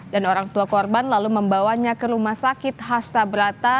dan orang tua korban lalu membawanya ke rumah sakit hasta berata